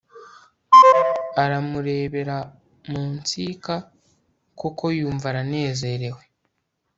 aramurebera mu nsika koko yumva aranezerewe